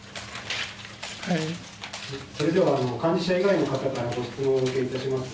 それでは幹事社以外の方からご質問をお受けいたします。